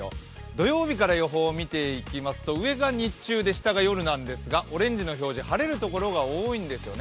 土曜日から予報を見ていきますと上が日中で、下が夜なんですがオレンジの表示、晴れるところが多いんですよね。